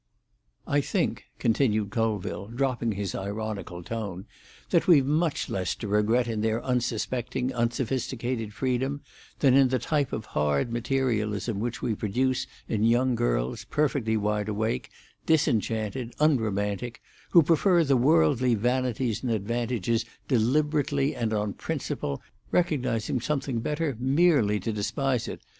"I think," continued Colville, dropping his ironical tone, "that we've much less to regret in their unsuspecting, unsophisticated freedom than in the type of hard materialism which we produce in young girls, perfectly wide awake, disenchanted, unromantic, who prefer the worldly vanities and advantages deliberately and on principle, recognising something better merely to despise it.